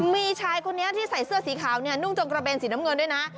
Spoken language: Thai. มีชายคนนี้ที่ใส่เสื้อสีขาวเนี่ยนุ่งจงกระเบนสีน้ำเงินด้วยนะ